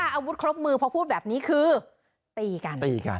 อาวุธครบมือพอพูดแบบนี้คือตีกันตีกัน